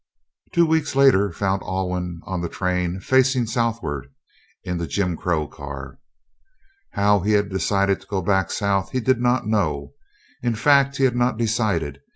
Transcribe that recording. Two weeks later found Alwyn on the train facing Southward in the Jim Crow car. How he had decided to go back South he did not know. In fact, he had not decided.